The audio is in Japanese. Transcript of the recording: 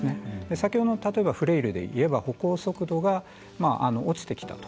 先ほどの例えばフレイルで言えば歩行速度が落ちてきたと。